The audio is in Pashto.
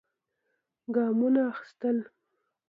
ګامونه اخېستل.